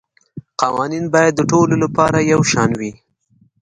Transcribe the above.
قوانین باید د ټولو لپاره یو شان وي